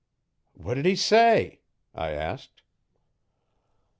'What d' he say?' I asked.